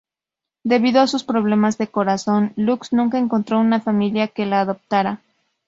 Debido a sus problemas de corazón, Lux nunca encontró una familia que la adoptara.